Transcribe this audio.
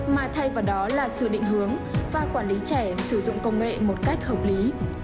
mà thay vào đó là sự định hướng và quản lý trẻ sử dụng công nghệ một cách hợp lý